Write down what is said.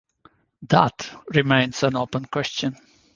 That remains an open question.